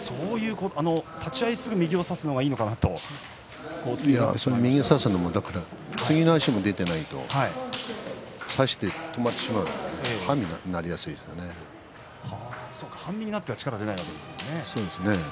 立ち合いすぐに右を差すのがいいのかなと右を差すにも次の足が出ていないと差して止まってしまう、半身に半身になったら力が出ないですからね。